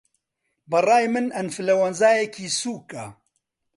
بەڕای من ئەنفلەوەنزایەکی سووکه